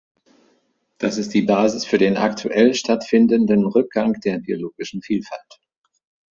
Das ist die Basis für den aktuell stattfindenden Rückgang der biologischen Vielfalt.